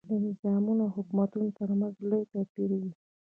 د نظامونو او حکومتونو ترمنځ لوی توپیر وي.